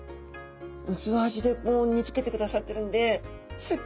薄味で煮つけてくださってるんですっ